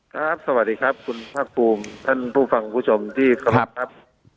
สวัสดีครับคุณภาคภูมิท่านผู้ฟังผู้ชมที่เคารพครับ